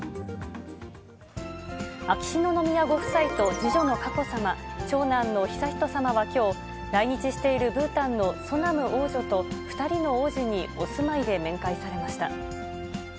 秋篠宮ご夫妻と次女の佳子さま、長男の悠仁さまはきょう、来日しているブータンのソナム王女と２人の王子にお住まいで面会されました。